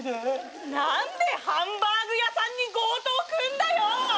何でハンバーグ屋さんに強盗来んだよ！